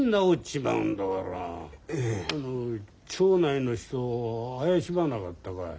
町内の人怪しまなかったかい？